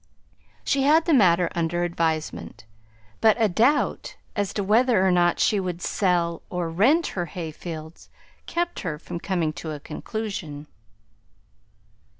She had the matter under advisement, but a doubt as to whether or not she would sell or rent her hayfields kept her from coming to a conclusion.